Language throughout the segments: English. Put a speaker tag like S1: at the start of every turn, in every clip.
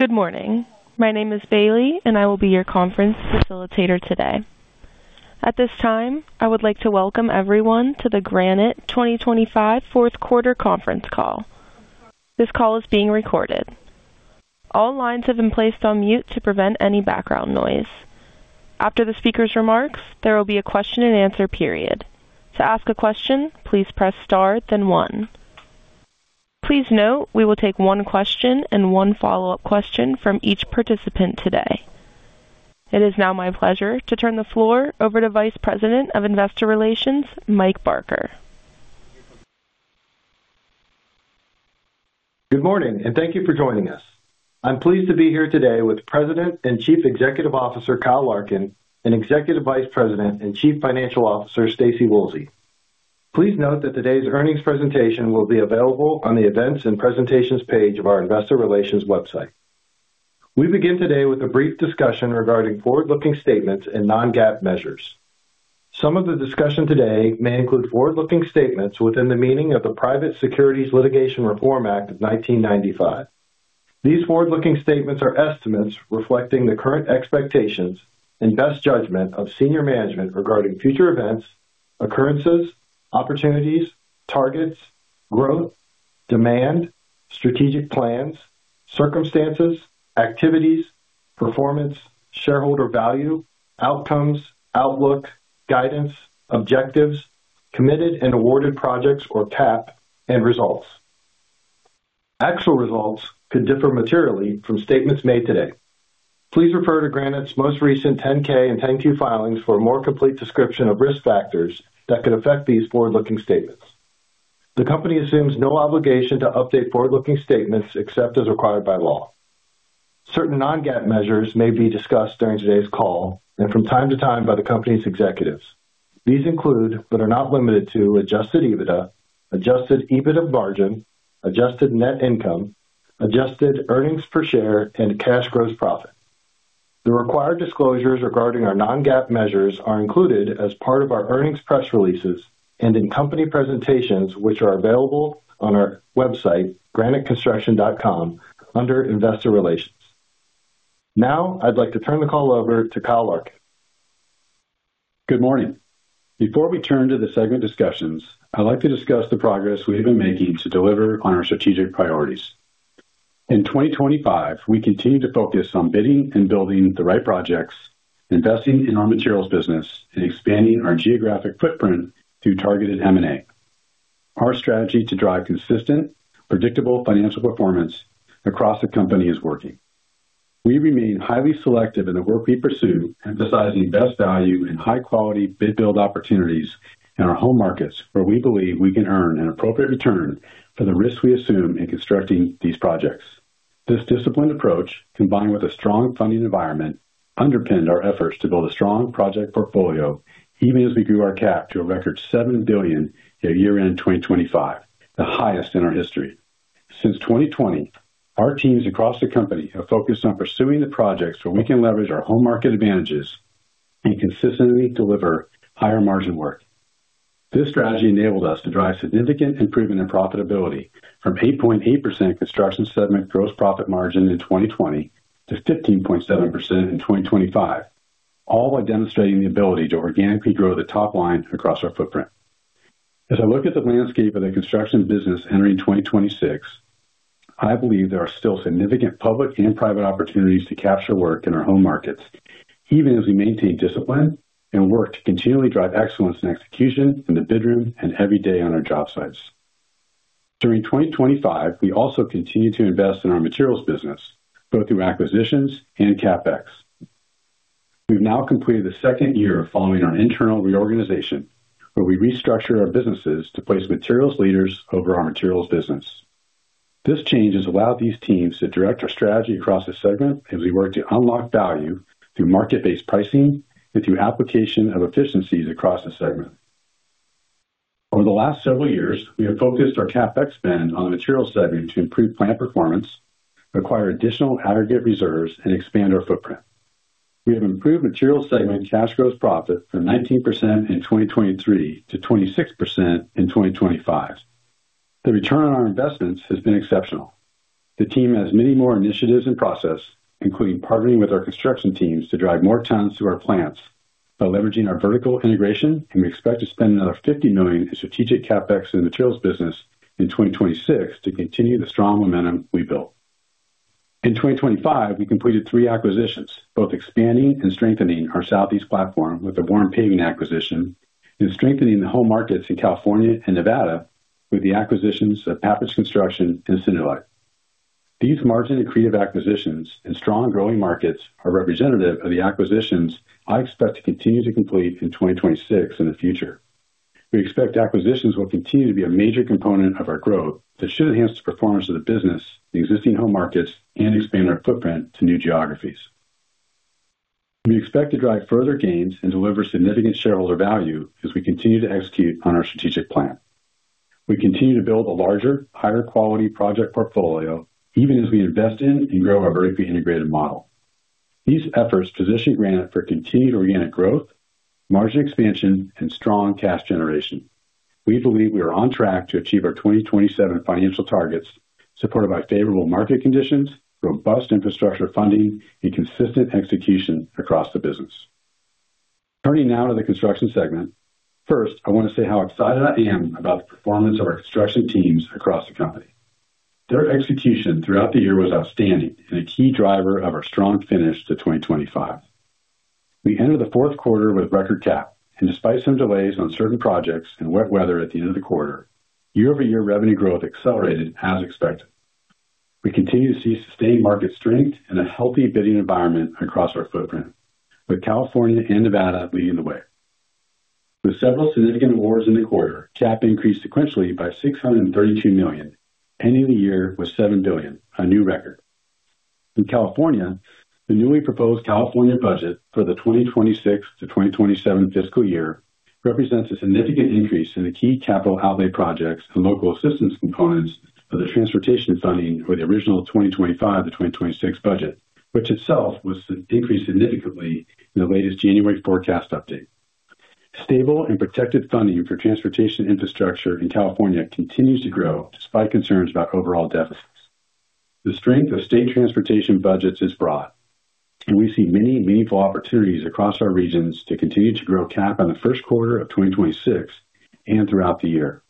S1: Good morning. My name is Bailey, and I will be your conference facilitator today. At this time, I would like to welcome everyone to the Granite 2025 fourth quarter conference call. This call is being recorded. All lines have been placed on mute to prevent any background noise. After the speaker's remarks, there will be a question and answer period. To ask a question, please press star then one. Please note, we will take one question and one follow-up question from each participant today. It is now my pleasure to turn the floor over to Vice President of Investor Relations, Mike Barker.
S2: Good morning, and thank you for joining us. I'm pleased to be here today with President and Chief Executive Officer, Kyle Larkin, and Executive Vice President and Chief Financial Officer, Staci Woolsey. Please note that today's earnings presentation will be available on the Events and Presentations page of our Investor Relations website. We begin today with a brief discussion regarding forward-looking statements and non-GAAP measures. Some of the discussion today may include forward-looking statements within the meaning of the Private Securities Litigation Reform Act of 1995. These forward-looking statements are estimates reflecting the current expectations and best judgment of senior management regarding future events, occurrences, opportunities, targets, growth, demand, strategic plans, circumstances, activities, performance, shareholder value, outcomes, outlook, guidance, objectives, committed and awarded projects or CAP, and results. Actual results could differ materially from statements made today. Please refer to Granite's most recent 10-K and 10-Q filings for a more complete description of risk factors that could affect these forward-looking statements. The company assumes no obligation to update forward-looking statements except as required by law. Certain non-GAAP measures may be discussed during today's call and from time to time by the company's executives. These include, but are not limited to, Adjusted EBITDA, Adjusted EBITDA Margin, Adjusted Net Income, Adjusted Earnings Per Share, and Cash Gross Profit. The required disclosures regarding our non-GAAP measures are included as part of our earnings press releases and in company presentations, which are available on our website, graniteconstruction.com, under Investor Relations. Now, I'd like to turn the call over to Kyle Larkin.
S3: Good morning. Before we turn to the segment discussions, I'd like to discuss the progress we have been making to deliver on our strategic priorities. In 2025, we continued to focus on bidding and building the right projects, investing in our materials business, and expanding our geographic footprint through targeted M&A. Our strategy to drive consistent, predictable financial performance across the company is working. We remain highly selective in the work we pursue, emphasizing best value and high-quality bid-build opportunities in our home markets, where we believe we can earn an appropriate return for the risk we assume in constructing these projects. This disciplined approach, combined with a strong funding environment, underpinned our efforts to build a strong project portfolio, even as we grew our CAP to a record $7 billion at year-end 2025, the highest in our history. Since 2020, our teams across the company have focused on pursuing the projects where we can leverage our home market advantages and consistently deliver higher margin work. This strategy enabled us to drive significant improvement in profitability from 8.8% construction segment gross profit margin in 2020 to 15.7% in 2025, all while demonstrating the ability to organically grow the top line across our footprint. As I look at the landscape of the construction business entering 2026, I believe there are still significant public and private opportunities to capture work in our home markets, even as we maintain discipline and work to continually drive excellence and execution in the bid room and every day on our job sites. During 2025, we also continued to invest in our materials business, both through acquisitions and CapEx. We've now completed the second year of following our internal reorganization, where we restructured our businesses to place materials leaders over our materials business. This change has allowed these teams to direct our strategy across the segment as we work to unlock value through market-based pricing and through application of efficiencies across the segment. Over the last several years, we have focused our CapEx spend on the materials segment to improve plant performance, acquire additional aggregate reserves, and expand our footprint. We have improved materials segment cash gross profit from 19% in 2023 to 26% in 2025. The return on our investments has been exceptional. The team has many more initiatives in process, including partnering with our construction teams to drive more tons through our plants by leveraging our vertical integration, and we expect to spend another $50 million in strategic CapEx in the materials business in 2026 to continue the strong momentum we built. In 2025, we completed three acquisitions, both expanding and strengthening our Southeast platform with the Warren Paving acquisition and strengthening the home markets in California and Nevada with the acquisitions of Papich Construction and Cinderlite. These margin-accretive acquisitions and strong growing markets are representative of the acquisitions I expect to continue to complete in 2026 in the future. We expect acquisitions will continue to be a major component of our growth that should enhance the performance of the business in existing home markets and expand our footprint to new geographies. We expect to drive further gains and deliver significant shareholder value as we continue to execute on our strategic plan. We continue to build a larger, higher quality project portfolio, even as we invest in and grow our vertically integrated model. These efforts position Granite for continued organic growth, margin expansion, and strong cash generation. We believe we are on track to achieve our 2027 financial targets, supported by favorable market conditions, robust infrastructure funding, and consistent execution across the business. Turning now to the construction segment. First, I want to say how excited I am about the performance of our construction teams across the company. Their execution throughout the year was outstanding and a key driver of our strong finish to 2025. We ended the fourth quarter with record CAP, and despite some delays on certain projects and wet weather at the end of the quarter, year-over-year revenue growth accelerated as expected. We continue to see sustained market strength and a healthy bidding environment across our footprint, with California and Nevada leading the way. With several significant awards in the quarter, CAP increased sequentially by $632 million, ending the year with $7 billion, a new record. In California, the newly proposed California budget for the 2026-2027 fiscal year represents a significant increase in the key capital outlay projects and local assistance components of the transportation funding for the original 2025-2026 budget, which itself was increased significantly in the latest January forecast update. Stable and protected funding for transportation infrastructure in California continues to grow, despite concerns about overall deficits. The strength of state transportation budgets is broad, and we see many meaningful opportunities across our regions to continue to grow CAP in the first quarter of 2026 and throughout the year.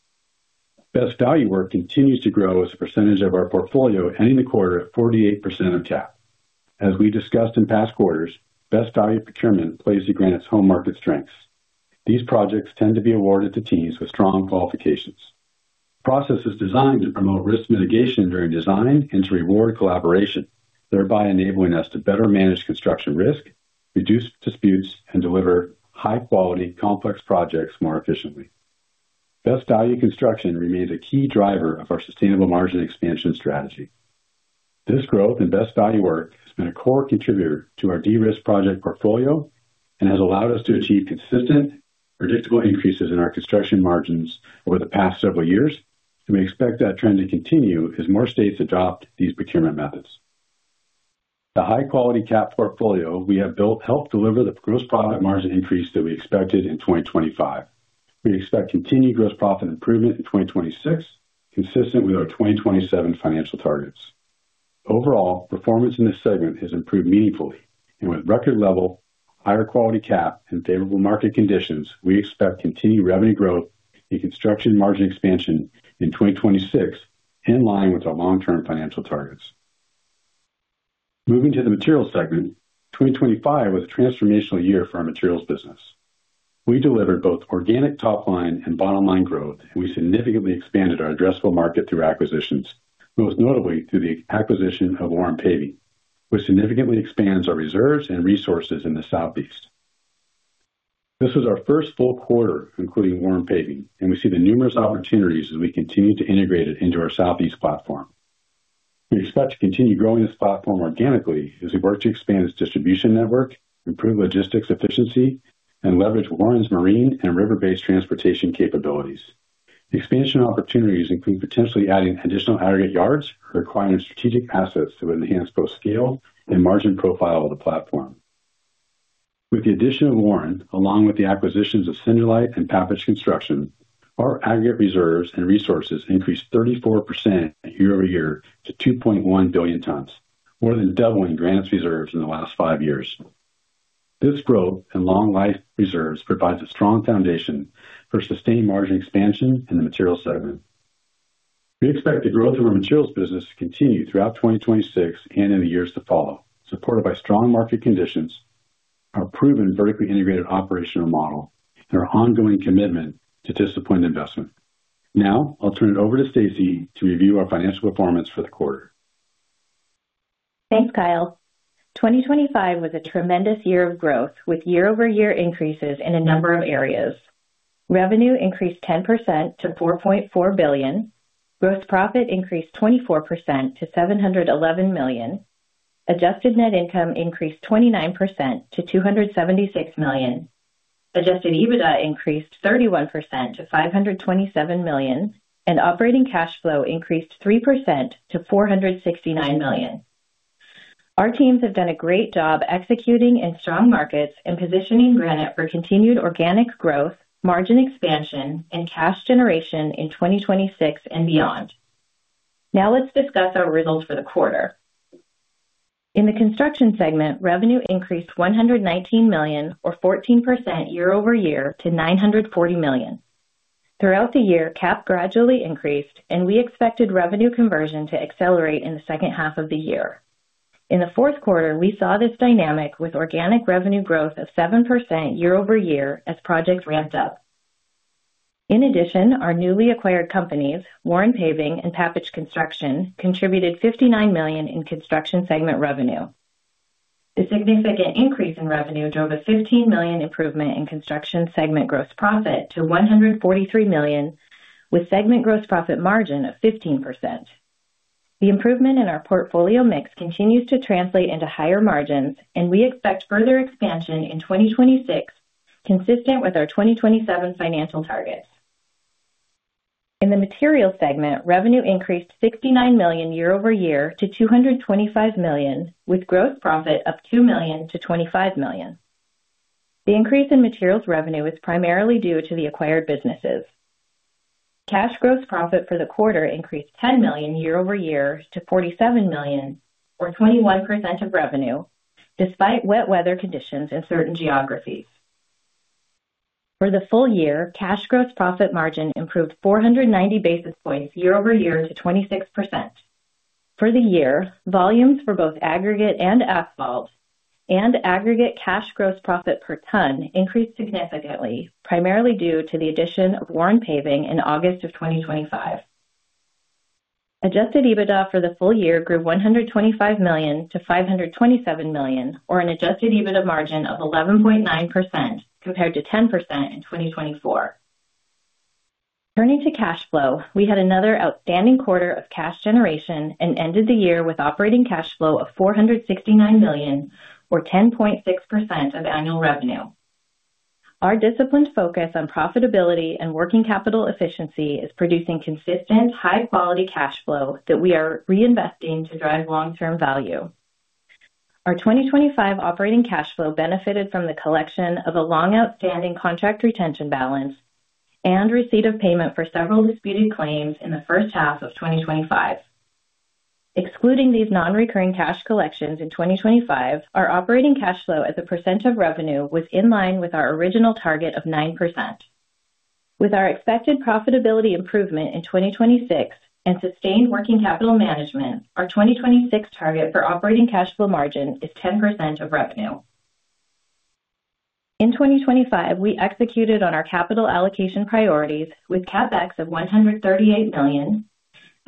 S3: Best Value work continues to grow as a percentage of our portfolio, ending the quarter at 48% of CAP. As we discussed in past quarters, Best Value procurement plays to Granite's home market strengths. These projects tend to be awarded to teams with strong qualifications. Process is designed to promote risk mitigation during design and to reward collaboration, thereby enabling us to better manage construction risk, reduce disputes, and deliver high-quality, complex projects more efficiently. Best Value Construction remains a key driver of our sustainable margin expansion strategy. This growth in Best Value work has been a core contributor to our de-risk project portfolio and has allowed us to achieve consistent, predictable increases in our construction margins over the past several years, and we expect that trend to continue as more states adopt these procurement methods. The high-quality CAP portfolio we have built helped deliver the gross profit margin increase that we expected in 2025. We expect continued gross profit improvement in 2026, consistent with our 2027 financial targets. Overall, performance in this segment has improved meaningfully, and with record level, higher quality CAP, and favorable market conditions, we expect continued revenue growth and construction margin expansion in 2026, in line with our long-term financial targets. Moving to the materials segment. 2025 was a transformational year for our materials business. We delivered both organic top line and bottom line growth, and we significantly expanded our addressable market through acquisitions, most notably through the acquisition of Warren Paving, which significantly expands our reserves and resources in the Southeast. This was our first full quarter, including Warren Paving, and we see the numerous opportunities as we continue to integrate it into our Southeast platform. We expect to continue growing this platform organically as we work to expand its distribution network, improve logistics efficiency, and leverage Warren's marine and river-based transportation capabilities. The expansion opportunities include potentially adding additional aggregate yards or acquiring strategic assets to enhance both scale and margin profile of the platform. With the addition of Warren, along with the acquisitions of Cinderlite and Papich Construction, our aggregate reserves and resources increased 34% year-over-year to 2.1 billion tons, more than doubling Granite's reserves in the last five years. This growth in long life reserves provides a strong foundation for sustained margin expansion in the materials segment. We expect the growth of our materials business to continue throughout 2026 and in the years to follow, supported by strong market conditions, our proven vertically integrated operational model, and our ongoing commitment to disciplined investment. Now, I'll turn it over to Staci to review our financial performance for the quarter.
S4: Thanks, Kyle. 2025 was a tremendous year of growth, with year-over-year increases in a number of areas. Revenue increased 10% to $4.4 billion. Gross profit increased 24% to $711 million. Adjusted Net Income increased 29% to $276 million. Adjusted EBITDA increased 31% to $527 million, and operating cash flow increased 3% to $469 million. Our teams have done a great job executing in strong markets and positioning Granite for continued organic growth, margin expansion, and cash generation in 2026 and beyond. Now, let's discuss our results for the quarter. In the construction segment, revenue increased $119 million or 14% year-over-year to $940 million. Throughout the year, CAP gradually increased, and we expected revenue conversion to accelerate in the second half of the year. In the fourth quarter, we saw this dynamic with organic revenue growth of 7% year-over-year as projects ramped up. In addition, our newly acquired companies, Warren Paving and Papich Construction, contributed $59 million in construction segment revenue. The significant increase in revenue drove a $15 million improvement in construction segment gross profit to $143 million, with segment gross profit margin of 15%. The improvement in our portfolio mix continues to translate into higher margins, and we expect further expansion in 2026, consistent with our 2027 financial targets. In the materials segment, revenue increased $69 million year-over-year to $225 million, with gross profit of $2 million-$25 million. The increase in materials revenue is primarily due to the acquired businesses. Cash gross profit for the quarter increased $10 million year-over-year to $47 million, or 21% of revenue, despite wet weather conditions in certain geographies. For the full year, cash gross profit margin improved 490 basis points year-over-year to 26%. For the year, volumes for both aggregate and asphalt and aggregate cash gross profit per ton increased significantly, primarily due to the addition of Warren Paving in August 2025. Adjusted EBITDA for the full year grew $125 million to $527 million, or an adjusted EBITDA margin of 11.9%, compared to 10% in 2024. Turning to cash flow, we had another outstanding quarter of cash generation and ended the year with operating cash flow of $469 million, or 10.6% of annual revenue. Our disciplined focus on profitability and working capital efficiency is producing consistent, high quality cash flow that we are reinvesting to drive long-term value. Our 2025 operating cash flow benefited from the collection of a long-outstanding contract retention balance and receipt of payment for several disputed claims in the first half of 2025. Excluding these non-recurring cash collections in 2025, our operating cash flow as a percent of revenue was in line with our original target of 9%. With our expected profitability improvement in 2026 and sustained working capital management, our 2026 target for operating cash flow margin is 10% of revenue. In 2025, we executed on our capital allocation priorities with CapEx of $138 million,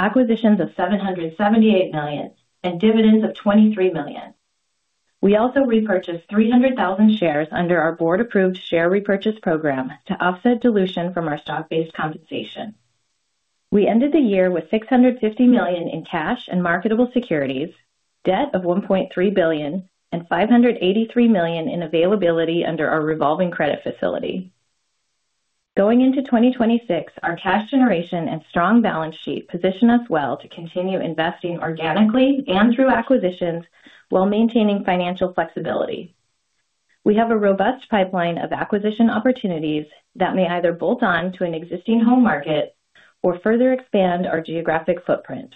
S4: acquisitions of $778 million, and dividends of $23 million. We also repurchased 300,000 shares under our board-approved share repurchase program to offset dilution from our stock-based compensation. We ended the year with $650 million in cash and marketable securities, debt of $1.3 billion, and $583 million in availability under our revolving credit facility. Going into 2026, our cash generation and strong balance sheet position us well to continue investing organically and through acquisitions while maintaining financial flexibility. We have a robust pipeline of acquisition opportunities that may either bolt on to an existing home market or further expand our geographic footprint.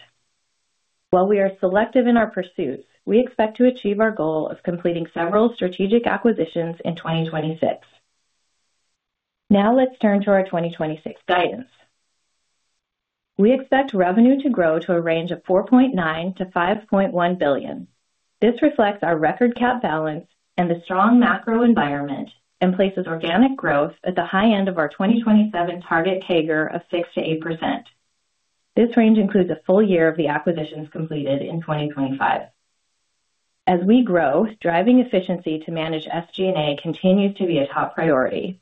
S4: While we are selective in our pursuits, we expect to achieve our goal of completing several strategic acquisitions in 2026. Now let's turn to our 2026 guidance. We expect revenue to grow to a range of $4.9 billion-$5.1 billion. This reflects our record CAP balance and the strong macro environment, and places organic growth at the high end of our 2027 target CAGR of 6%-8%. This range includes a full year of the acquisitions completed in 2025. As we grow, driving efficiency to manage SG&A continues to be a top priority.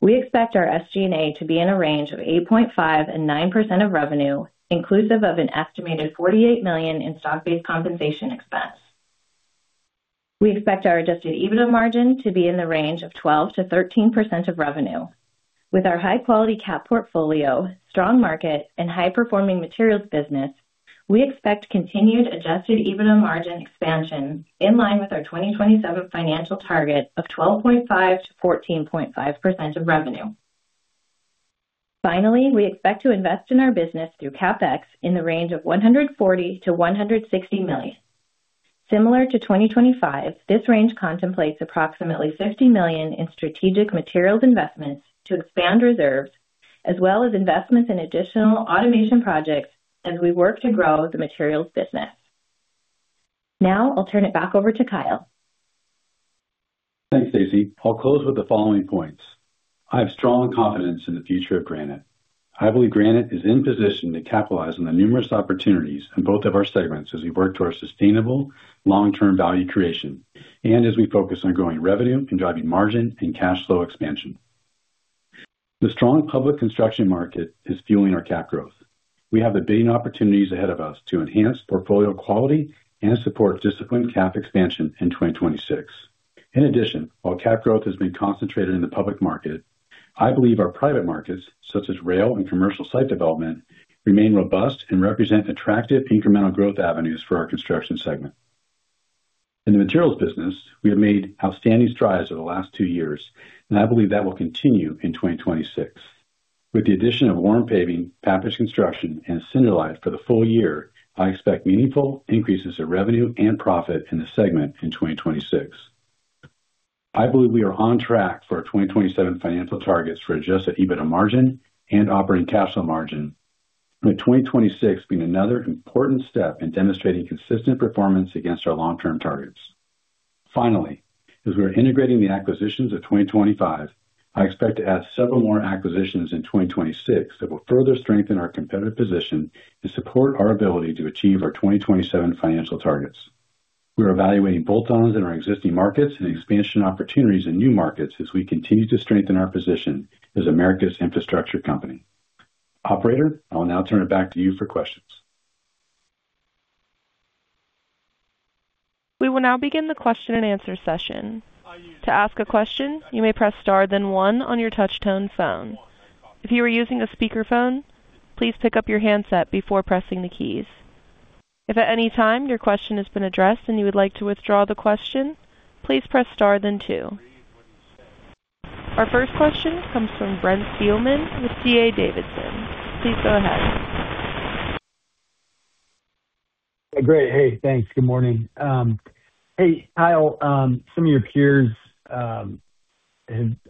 S4: We expect our SG&A to be in a range of 8.5%-9% of revenue, inclusive of an estimated $48 million in stock-based compensation expense. We expect our adjusted EBITDA margin to be in the range of 12%-13% of revenue. With our high quality CAP portfolio, strong market, and high-performing materials business, we expect continued Adjusted EBITDA margin expansion in line with our 2027 financial target of 12.5%-14.5% of revenue. Finally, we expect to invest in our business through CapEx in the range of $140 million-$160 million. Similar to 2025, this range contemplates approximately $50 million in strategic materials investments to expand reserves, as well as investments in additional automation projects as we work to grow the materials business. Now I'll turn it back over to Kyle.
S3: Thanks, Staci. I'll close with the following points. I have strong confidence in the future of Granite. I believe Granite is in position to capitalize on the numerous opportunities in both of our segments as we work towards sustainable, long-term value creation and as we focus on growing revenue and driving margin and cash flow expansion. The strong public construction market is fueling our CAP growth. We have the bidding opportunities ahead of us to enhance portfolio quality and support disciplined CAP expansion in 2026. In addition, while CAP growth has been concentrated in the public market, I believe our private markets, such as rail and commercial site development, remain robust and represent attractive incremental growth avenues for our construction segment. In the materials business, we have made outstanding strides over the last two years, and I believe that will continue in 2026. With the addition of Warren Paving, Papich Construction, and Cinderlite for the full year, I expect meaningful increases in revenue and profit in the segment in 2026. I believe we are on track for our 2027 financial targets for adjusted EBITDA margin and operating cash flow margin, with 2026 being another important step in demonstrating consistent performance against our long-term targets. Finally, as we are integrating the acquisitions of 2025, I expect to add several more acquisitions in 2026 that will further strengthen our competitive position and support our ability to achieve our 2027 financial targets. We are evaluating bolt-ons in our existing markets and expansion opportunities in new markets as we continue to strengthen our position as America's infrastructure company. Operator, I will now turn it back to you for questions.
S1: We will now begin the question and answer session. To ask a question, you may press star, then one on your touchtone phone. If you are using a speakerphone, please pick up your handset before pressing the keys. If at any time your question has been addressed and you would like to withdraw the question, please press star then two. Our first question comes from Brent Thielman with D.A. Davidson. Please go ahead.
S5: Great. Hey, thanks. Good morning. Hey, Kyle. Some of your peers have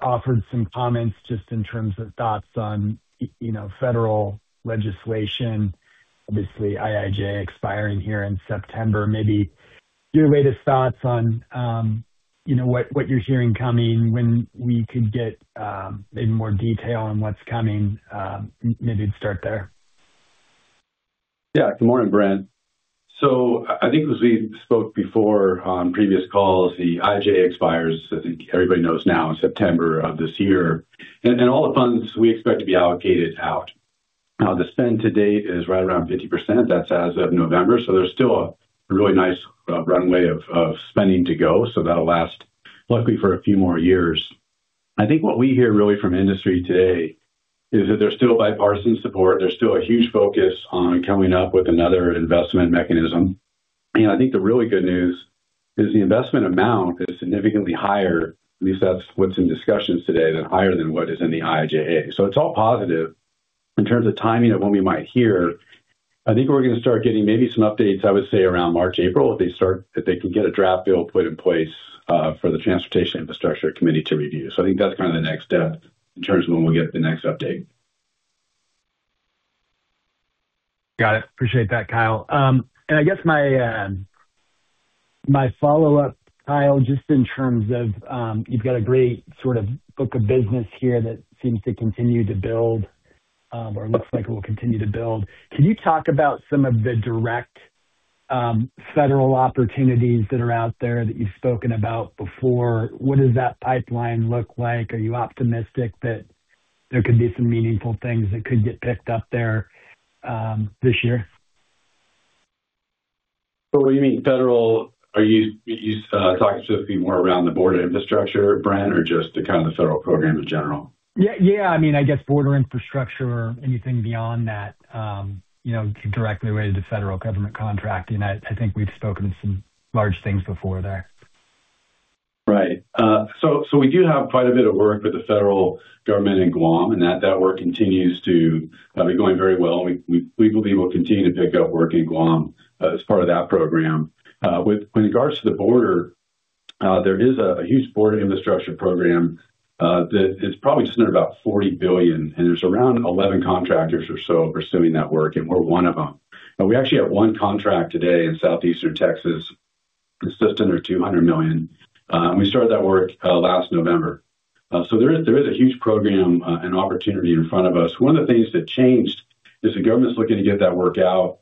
S5: offered some comments just in terms of thoughts on, you know, federal legislation. Obviously, IIJA expiring here in September. Maybe your latest thoughts on, you know, what you're hearing coming, when we could get in more detail on what's coming. Maybe start there.
S3: Yeah. Good morning, Brent. So I, I think, as we spoke before on previous calls, the IIJA expires, I think everybody knows now, in September of this year, and, and all the funds we expect to be allocated out. Now, the spend to date is right around 50%. That's as of November. So there's still a really nice, runway of, of spending to go. So that'll last, luckily, for a few more years. I think what we hear really from industry today is that there's still bipartisan support. There's still a huge focus on coming up with another investment mechanism. And I think the really good news is the investment amount is significantly higher, at least that's what's in discussions today, than higher than what is in the IIJA. So it's all positive. In terms of timing of when we might hear, I think we're going to start getting maybe some updates, I would say, around March, April, if they can get a draft bill put in place, for the Transportation Infrastructure Committee to review. So I think that's kind of the next step in terms of when we'll get the next update.
S5: Got it. Appreciate that, Kyle. And I guess my follow-up, Kyle, just in terms of, you've got a great sort of book of business here that seems to continue to build, or looks like it will continue to build. Can you talk about some of the direct federal opportunities that are out there that you've spoken about before? What does that pipeline look like? Are you optimistic that there could be some meaningful things that could get picked up there, this year?
S3: So when you mean federal, are you talking specifically more around the border infrastructure, Brent, or just the kind of federal programs in general?
S5: Yeah, yeah. I mean, I guess border infrastructure or anything beyond that, you know, directly related to federal government contracting. I think we've spoken to some large things before there.
S3: Right. So we do have quite a bit of work with the federal government in Guam, and that work continues to be going very well. We believe we'll continue to pick up work in Guam as part of that program. With regards to the border, there is a huge border infrastructure program that is probably just under about $40 billion, and there's around 11 contractors or so pursuing that work, and we're one of them. But we actually have one contract today in southeastern Texas. It's just under $200 million. We started that work last November. So there is a huge program and opportunity in front of us. One of the things that changed is the government's looking to get that work out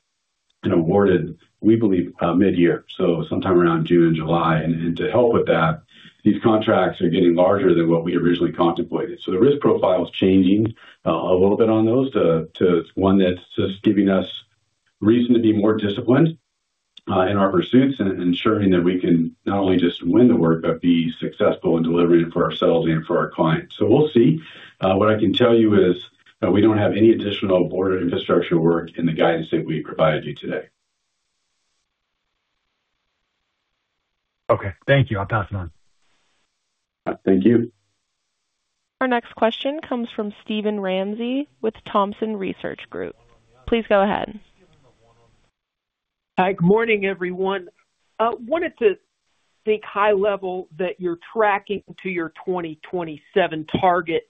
S3: and awarded, we believe, mid-year, so sometime around June and July. And to help with that, these contracts are getting larger than what we originally contemplated. So the risk profile is changing, a little bit on those to one that's just giving us reason to be more disciplined, in our pursuits and ensuring that we can not only just win the work, but be successful in delivering it for ourselves and for our clients. So we'll see. What I can tell you is that we don't have any additional border infrastructure work in the guidance that we provided you today.
S5: Okay, thank you. I'll pass it on.
S3: Thank you.
S1: Our next question comes from Steven Ramsey with Thompson Research Group. Please go ahead.
S6: Hi, good morning, everyone. Wanted to think high level that you're tracking to your 2027 targets.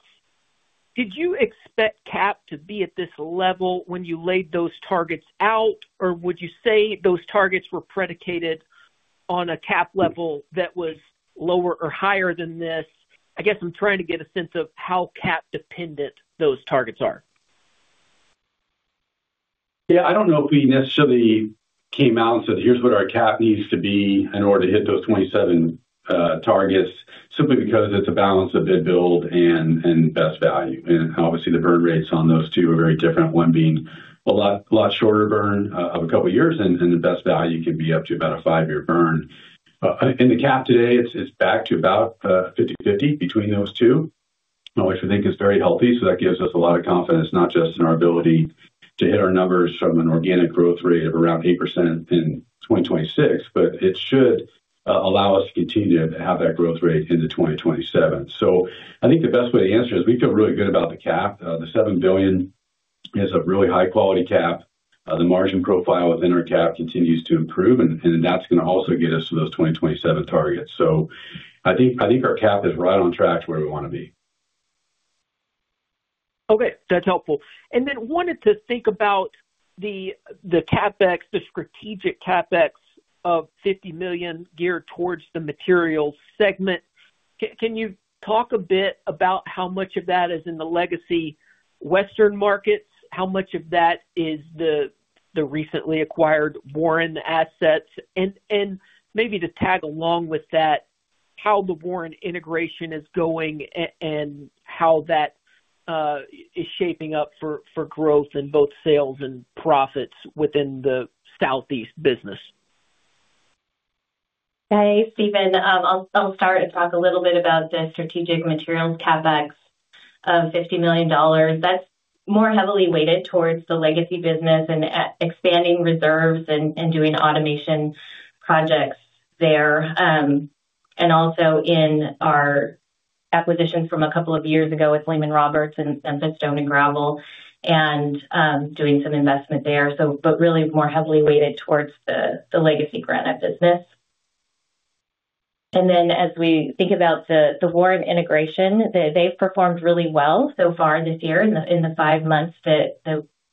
S6: Did you expect CAP to be at this level when you laid those targets out, or would you say those targets were predicated on a CAP level that was lower or higher than this? I guess I'm trying to get a sense of how CAP dependent those targets are.
S3: Yeah. I don't know if we necessarily came out and said, "Here's what our CAP needs to be in order to hit those 2027 targets," simply because it's a balance of bid-build and best value. And obviously, the burn rates on those two are very different, one being a lot shorter burn of a couple of years, and the best value can be up to about a five-year burn. In the CAP today, it's back to about 50/50 between those two, which I think is very healthy. So that gives us a lot of confidence, not just in our ability to hit our numbers from an organic growth rate of around 8% in 2026, but it should allow us to continue to have that growth rate into 2027. So I think the best way to answer is we feel really good about the CAP. The $7 billion is a really high-quality CAP. The margin profile within our CAP continues to improve, and that's going to also get us to those 2027 targets. So I think our CAP is right on track to where we want to be.
S6: Okay, that's helpful. And then wanted to think about the CapEx, the strategic CapEx of $50 million geared towards the materials segment. Can you talk a bit about how much of that is in the legacy Western markets? How much of that is the, the recently acquired Warren assets? And, and maybe to tag along with that how the Warren integration is going and how that is shaping up for, for growth in both sales and profits within the Southeast business?
S4: Hey, Steven. I'll start and talk a little bit about the strategic materials CapEx of $50 million. That's more heavily weighted towards the legacy business and expanding reserves and doing automation projects there. And also in our acquisition from a couple of years ago with Lehman-Roberts and the Stone and Gravel, and doing some investment there. So but really more heavily weighted towards the legacy Granite business. And then as we think about the Warren integration, they've performed really well so far this year in the five months that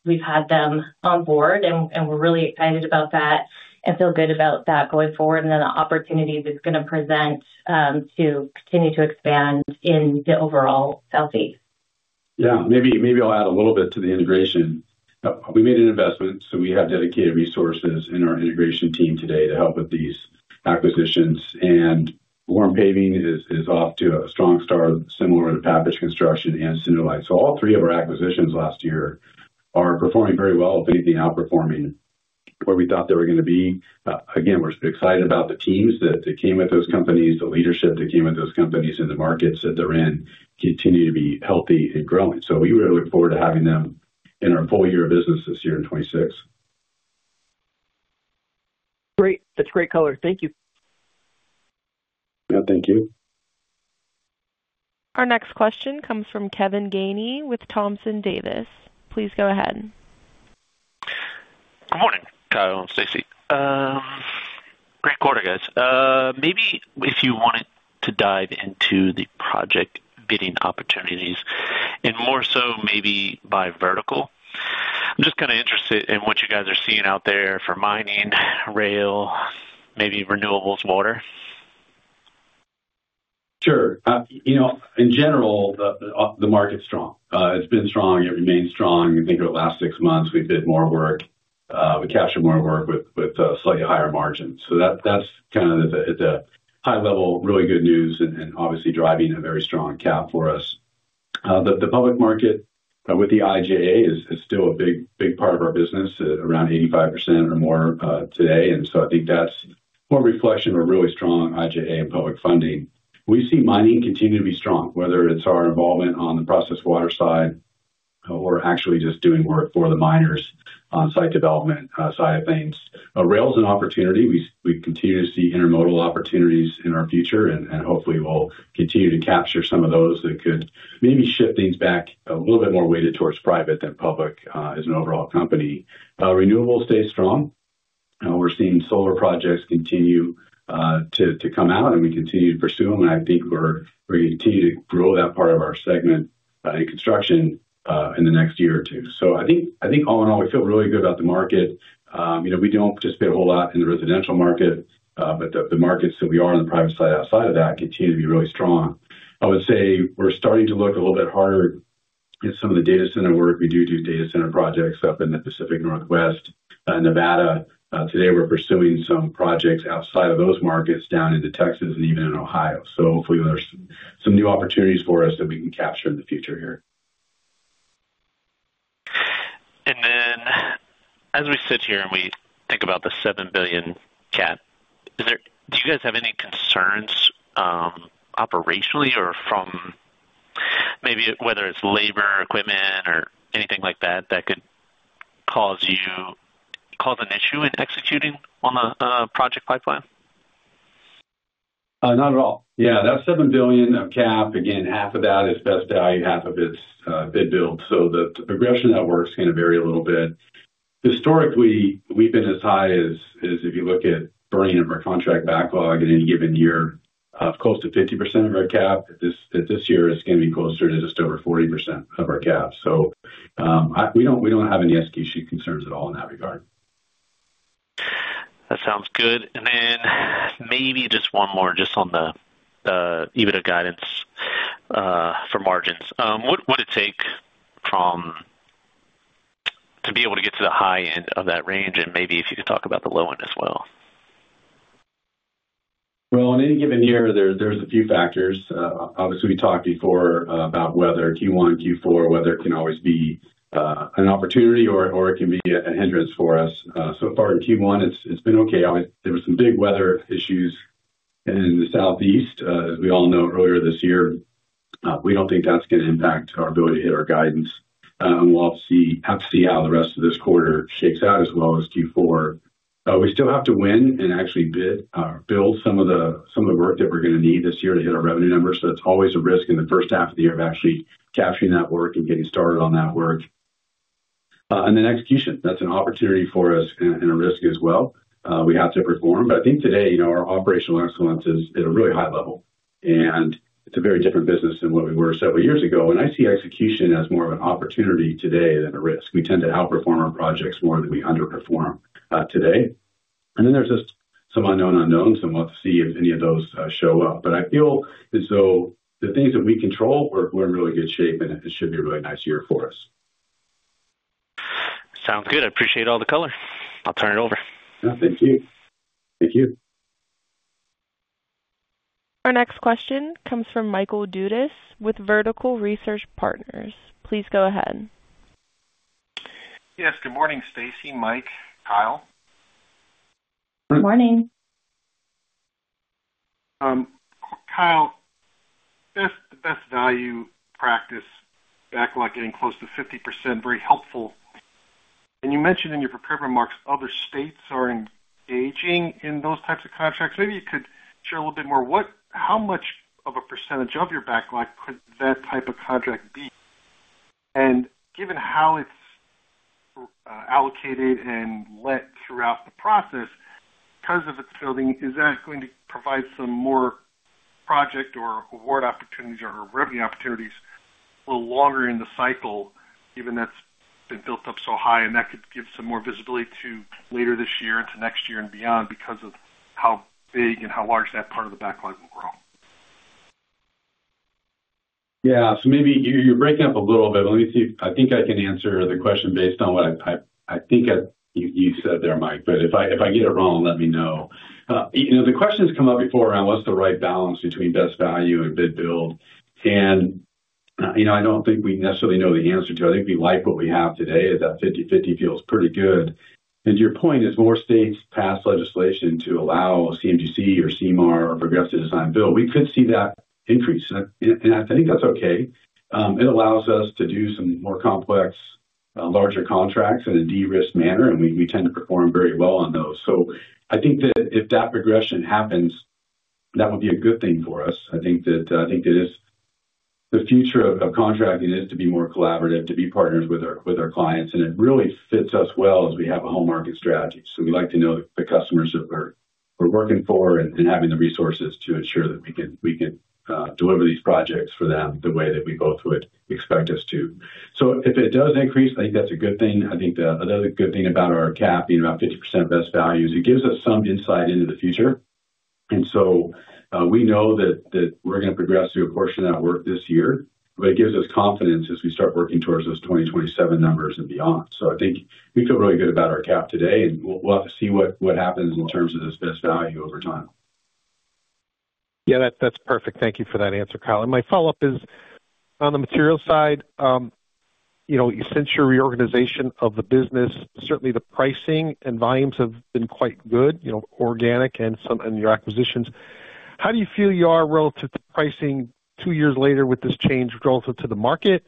S4: we've had them on board, and we're really excited about that and feel good about that going forward, and then the opportunities it's gonna present to continue to expand in the overall Southeast.
S3: Yeah, maybe, maybe I'll add a little bit to the integration. We made an investment, so we have dedicated resources in our integration team today to help with these acquisitions. And Warren Paving is off to a strong start, similar to Papich Construction and Cinderlite. So all three of our acquisitions last year are performing very well, I think, outperforming where we thought they were gonna be. Again, we're excited about the teams that came with those companies, the leadership that came with those companies, and the markets that they're in continue to be healthy and growing. So we really look forward to having them in our full year of business this year in 2026.
S6: Great. That's great color. Thank you.
S3: Yeah, thank you.
S1: Our next question comes from Kevin Gainey with Thompson Davis. Please go ahead.
S7: Good morning, Kyle and Staci. Great quarter, guys. Maybe if you wanted to dive into the project bidding opportunities, and more so maybe by vertical. I'm just kind of interested in what you guys are seeing out there for mining, rail, maybe renewables, water.
S3: Sure. You know, in general, the market's strong. It's been strong. It remains strong. I think over the last six months, we did more work, we captured more work with slightly higher margins. So that's kind of the, at a high level, really good news and obviously driving a very strong CAP for us. But the public market with the IIJA is still a big, big part of our business, around 85% or more today. And so I think that's more a reflection of really strong IIJA and public funding. We see mining continue to be strong, whether it's our involvement on the processed water side or actually just doing work for the miners on site development side of things. Rail is an opportunity. We continue to see intermodal opportunities in our future, and hopefully we'll continue to capture some of those that could maybe shift things back a little bit more weighted towards private than public, as an overall company. Renewables stay strong. We're seeing solar projects continue to come out, and we continue to pursue them, and I think we're going to continue to grow that part of our segment in construction in the next year or two. So I think all in all, we feel really good about the market. You know, we don't participate a whole lot in the residential market, but the markets that we are on the private side, outside of that, continue to be really strong. I would say we're starting to look a little bit harder at some of the data center work. We do do data center projects up in the Pacific Northwest, Nevada. Today, we're pursuing some projects outside of those markets down into Texas and even in Ohio. So hopefully there's some new opportunities for us that we can capture in the future here.
S7: As we sit here and we think about the $7 billion cap, is there, do you guys have any concerns, operationally or from maybe whether it's labor, equipment, or anything like that, that could cause you, cause an issue in executing on the project pipeline?
S3: Not at all. Yeah, that's $7 billion of CAP. Again, half of that is best value, half of it's bid-build. So the progression of that work is gonna vary a little bit. Historically, we've been as high as, as if you look at earning of our contract backlog in any given year, close to 50% of our CAP. This year, it's gonna be closer to just over 40% of our CAP. So, we don't, we don't have any issue concerns at all in that regard.
S7: That sounds good. And then maybe just one more, just on the EBITDA guidance for margins. What would it take to be able to get to the high end of that range? And maybe if you could talk about the low end as well.
S3: Well, on any given year, there's a few factors. Obviously, we talked before about weather. Q1 and Q4, weather can always be an opportunity or it can be a hindrance for us. So far in Q1, it's been okay. Obviously, there were some big weather issues in the Southeast, as we all know, earlier this year. We don't think that's gonna impact our ability to hit our guidance. We'll obviously have to see how the rest of this quarter shakes out, as well as Q4. We still have to win and actually bid, build some of the work that we're gonna need this year to hit our revenue numbers. So that's always a risk in the first half of the year of actually capturing that work and getting started on that work. And then execution, that's an opportunity for us and a risk as well. We have to perform, but I think today, you know, our operational excellence is at a really high level, and it's a very different business than what we were several years ago, and I see execution as more of an opportunity today than a risk. We tend to outperform our projects more than we underperform today. And then there's just some unknown unknowns, and we'll have to see if any of those show up. But I feel as though the things that we control, we're in really good shape, and it should be a really nice year for us.
S7: Sounds good. I appreciate all the color. I'll turn it over.
S3: Yeah, thank you. Thank you.
S1: Our next question comes from Michael Dudas with Vertical Research Partners. Please go ahead.
S8: Yes, good morning, Staci, Mike, Kyle.
S4: Good morning.
S8: Kyle, the Best Value practice backlog getting close to 50%, very helpful. And you mentioned in your prepared remarks other states are engaging in those types of contracts. Maybe you could share a little bit more. What, how much of a percentage of your backlog could that type of contract be? And given how it's allocated and let throughout the process, because of its building, is that going to provide some more project or award opportunities or revenue opportunities a little longer in the cycle, even that's been built up so high, and that could give some more visibility to later this year, into next year, and beyond because of how big and how large that part of the backlog will grow?
S3: Yeah. So maybe you're breaking up a little bit, but let me see. I think I can answer the question based on what I think you said there, Mike, but if I get it wrong, let me know. You know, the question's come up before around what's the right balance between best value and bid-build. And, you know, I don't think we necessarily know the answer to. I think we like what we have today, that 50/50 feels pretty good. And to your point, as more states pass legislation to allow CMGC or CMAR or progressive design-build, we could see that increase, and I think that's okay. It allows us to do some more complex, larger contracts in a de-risked manner, and we tend to perform very well on those. So I think that if that progression happens, that would be a good thing for us. I think that, I think it is the future of, of contracting is to be more collaborative, to be partners with our, with our clients, and it really fits us well as we have a whole market strategy. So we like to know the customers that we're, we're working for and, and having the resources to ensure that we can, we can, deliver these projects for them the way that we both would expect us to. So if it does increase, I think that's a good thing. I think the, another good thing about our CAP being around 50% best value, is it gives us some insight into the future. And so, we know that we're gonna progress through a portion of that work this year, but it gives us confidence as we start working towards those 2027 numbers and beyond. So I think we feel really good about our CAP today, and we'll have to see what happens in terms of this best value over time.
S8: Yeah, that, that's perfect. Thank you for that answer, Kyle. And my follow-up is, on the material side, you know, since your reorganization of the business, certainly the pricing and volumes have been quite good, you know, organic and some in your acquisitions. How do you feel you are relative to pricing two years later with this change relative to the market?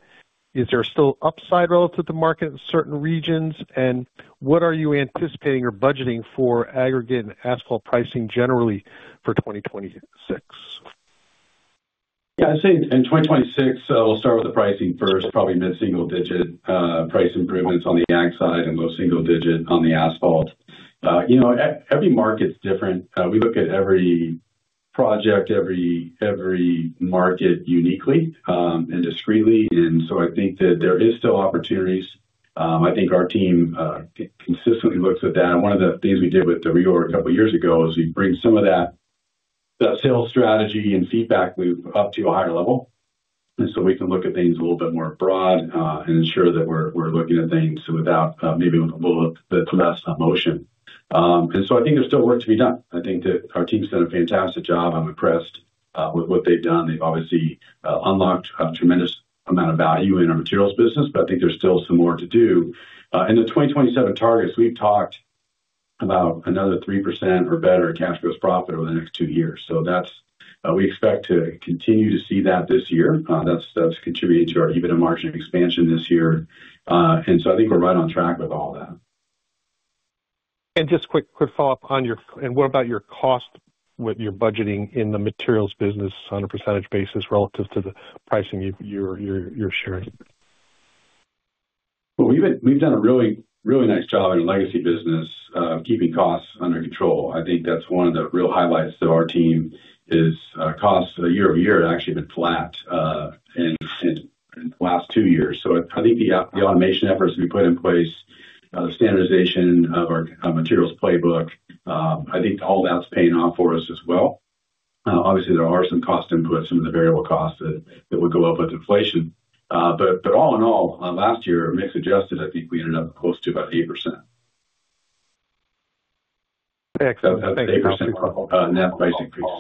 S8: Is there still upside relative to market in certain regions, and what are you anticipating or budgeting for aggregate and asphalt pricing generally for 2026?
S3: Yeah, I'd say in 2026, so we'll start with the pricing first, probably mid-single-digit price improvements on the ag side and low single-digit on the asphalt. You know, every market's different. We look at every project, every market uniquely and discretely, and so I think that there is still opportunities. I think our team consistently looks at that. And one of the things we did with the reorg a couple years ago is we bring some of that sales strategy and feedback loop up to a higher level. And so we can look at things a little bit more broad and ensure that we're looking at things without maybe with a little bit less emotion. And so I think there's still work to be done. I think that our team's done a fantastic job. I'm impressed with what they've done. They've obviously unlocked a tremendous amount of value in our materials business, but I think there's still some more to do. In the 2027 targets, we've talked about another 3% or better cash gross profit over the next two years. So that's, we expect to continue to see that this year. That's contributing to our EBITDA margin expansion this year. And so I think we're right on track with all that.
S8: Just quick follow-up on your... And what about your cost with your budgeting in the materials business on a percentage basis relative to the pricing you're sharing?
S3: Well, we've done a really, really nice job in the legacy business of keeping costs under control. I think that's one of the real highlights to our team, is costs year-over-year have actually been flat in the last two years. So I think the automation efforts we put in place, the standardization of our materials playbook, I think all that's paying off for us as well. Obviously, there are some cost inputs, some of the variable costs that will go up with inflation. But all in all, last year, mixed adjusted, I think we ended up close to about 8%.
S8: Excellent.
S3: 8%, net price increase.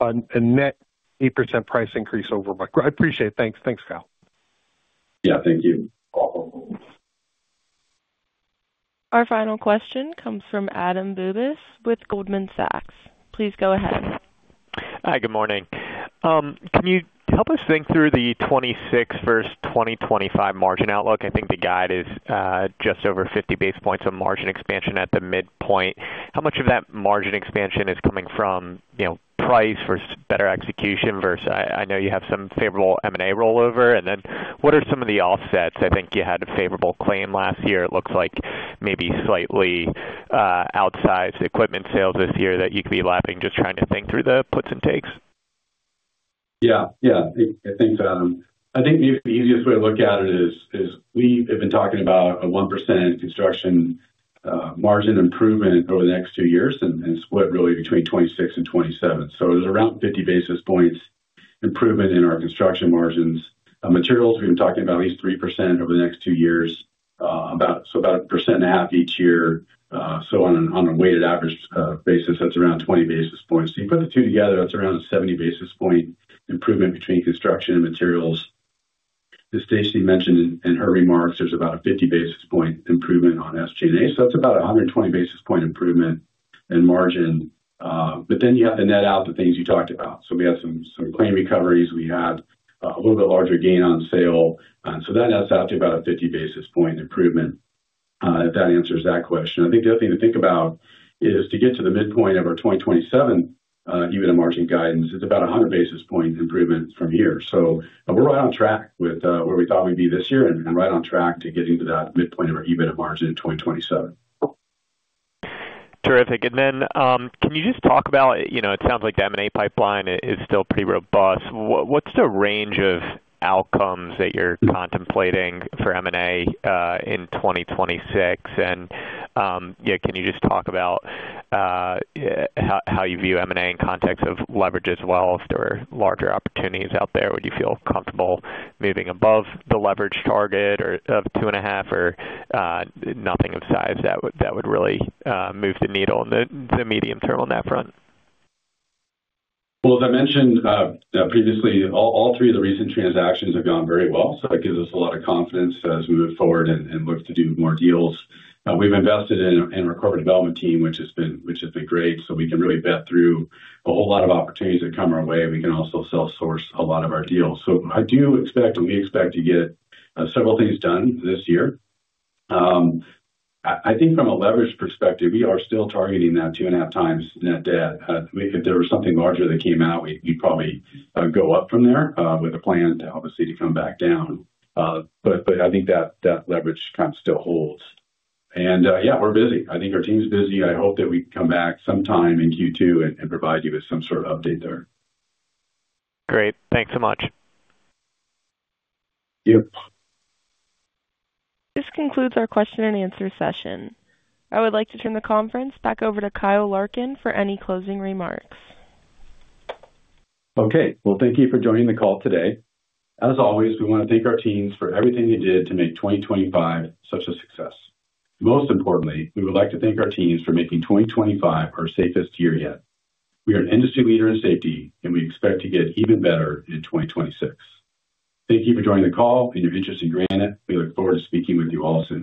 S8: A net 8% price increase over my... I appreciate it. Thanks. Thanks, Kyle.
S3: Yeah, thank you.
S1: Our final question comes from Adam Bubes with Goldman Sachs. Please go ahead.
S9: Hi, good morning. Can you help us think through the 2026 versus 2025 margin outlook? I think the guide is just over 50 basis points of margin expansion at the midpoint. How much of that margin expansion is coming from, you know, price versus better execution versus, I know you have some favorable M&A rollover. And then what are some of the offsets? I think you had a favorable claim last year. It looks like maybe slightly, outsized equipment sales this year that you could be lapping. Just trying to think through the puts and takes.
S3: Yeah, yeah. I think the easiest way to look at it is we have been talking about a 1% construction margin improvement over the next two years and split really between 2026 and 2027. So it was around 50 basis points improvement in our construction margins. Materials, we've been talking about at least 3% over the next two years, about 1.5% each year, so on a weighted average basis, that's around 20 basis points. So you put the two together, that's around a 70 basis point improvement between construction and materials. As Staci mentioned in her remarks, there's about a 50 basis point improvement on SG&A, so that's about a 120 basis point improvement in margin. But then you have to net out the things you talked about. So we had some, some claim recoveries. We had a little bit larger gain on sale, so that nets out to about a 50 basis point improvement, if that answers that question. I think the other thing to think about is to get to the midpoint of our 2027 EBITDA margin guidance. It's about a 100 basis point improvement from here. So we're right on track with, where we thought we'd be this year and, and right on track to getting to that midpoint of our EBITDA margin in 2027.
S9: Terrific. And then, can you just talk about, you know, it sounds like the M&A pipeline is still pretty robust. What, what's the range of outcomes that you're contemplating for M&A in 2026? And, yeah, can you just talk about, how, how you view M&A in context of leverage as well? If there were larger opportunities out there, would you feel comfortable moving above the leverage target or of 2.5, or, nothing of size that would, that would really, move the needle in the, the medium term on that front?
S3: Well, as I mentioned previously, all three of the recent transactions have gone very well, so that gives us a lot of confidence as we move forward and look to do more deals. We've invested in our corporate development team, which has been great, so we can really vet through a whole lot of opportunities that come our way. We can also self-source a lot of our deals. So I do expect, and we expect to get several things done this year. I think from a leverage perspective, we are still targeting that 2.5 times net debt. If there was something larger that came out, we'd probably go up from there with a plan to obviously come back down. But I think that leverage kind of still holds. Yeah, we're busy. I think our team is busy. I hope that we can come back sometime in Q2 and provide you with some sort of update there.
S9: Great. Thanks so much.
S3: Thank you.
S1: This concludes our question and answer session. I would like to turn the conference back over to Kyle Larkin for any closing remarks.
S3: Okay. Well, thank you for joining the call today. As always, we want to thank our teams for everything they did to make 2025 such a success. Most importantly, we would like to thank our teams for making 2025 our safest year yet. We are an industry leader in safety, and we expect to get even better in 2026. Thank you for joining the call and your interest in Granite. We look forward to speaking with you all soon.